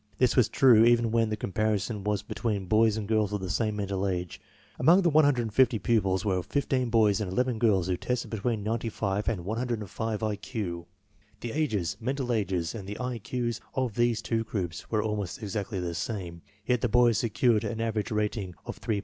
This was true even when the comparison was between boys and girls of the same mental age. Among the 150 pupils were 15 boys and 11 girls who tested between 95 and 105 I Q. The ages, mental ages, and the I Q's of these two groups were almost exactly the same, yet the boys secured an average rating of 3.4